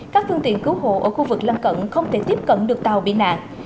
các phương tiện cứu hộ ở khu vực lân cận không thể tiếp cận được tàu bị nạn